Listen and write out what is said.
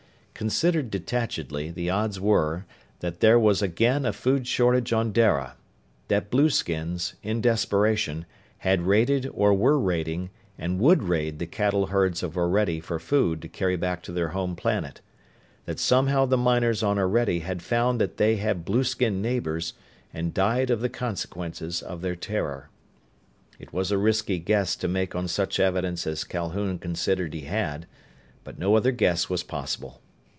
Considered detachedly, the odds were that there was again a food shortage on Dara; that blueskins, in desperation, had raided or were raiding or would raid the cattle herds of Orede for food to carry back to their home planet; that somehow the miners on Orede had found that they had blueskin neighbors, and died of the consequences of their terror. It was a risky guess to make on such evidence as Calhoun considered he had, but no other guess was possible.